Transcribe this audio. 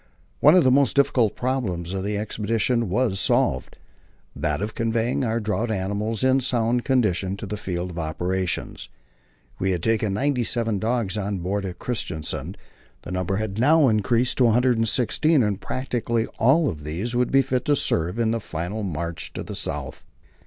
One of the most difficult problems of the expedition was solved that of conveying our draught animals in sound condition to the field of operations. We had taken 97 dogs on board at Christiansand; the number had now increased to 116, and practically all of these would be fit to serve in the final march to the South.